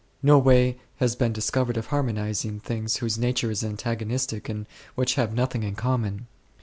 No way has been discovered of harmonizing things whose nature is antagonistic and which have nothing in common.